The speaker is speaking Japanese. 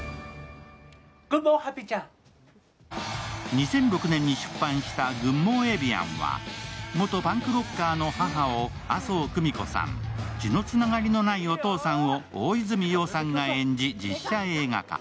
２００６年に出版した「グッモーエビアン！」は元パンクロッカーの母を麻生久美子さん、血のつながりのないお父さんを大泉洋さんが演じ、実写映画化。